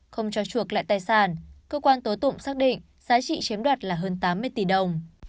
không cho chuộc lại tài sản cơ quan tố tụng xác định giá trị chiếm đoạt là hơn tám mươi tỷ đồng